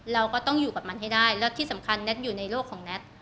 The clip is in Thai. เราก็ต้องอยู่กับมันให้ได้แล้วที่สำคัญแน็ตอยู่ในโลกของแท็ก